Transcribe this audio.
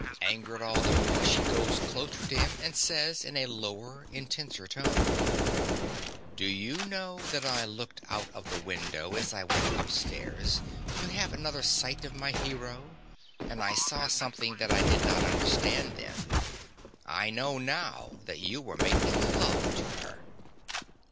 Angered all the more, she goes closer to him, and says, in a lower, intenser tone_) Do you know that I looked out of the window as I went upstairs, to have another sight of my hero; and I saw something that I did not understand then. I know now that you were making love to her.